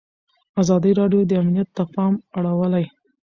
ازادي راډیو د امنیت ته پام اړولی.